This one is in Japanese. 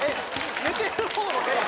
寝てるほうも変！